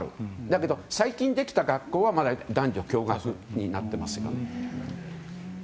だけど、最近できた学校は男女共学になってますね。